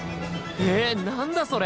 えっなんだそれ？